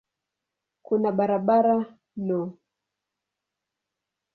Kuna barabara no.